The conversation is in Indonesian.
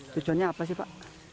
tujuannya apa sih pak